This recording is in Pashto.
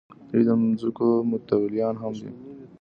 دوی د ځمکو متولیان هم دي.